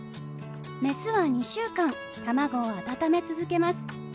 メスは２週間卵を温め続けます。